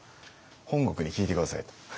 本国に聞いて下さいと。